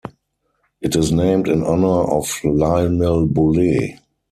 It is named in honour of Lionel Boulet.